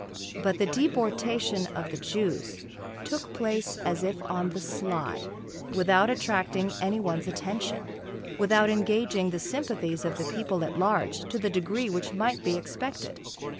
But the deportation of the Jews took place as if on the sly, without attracting any one's attention, without engaging the sympathies of the people at large to the degree which might be expected.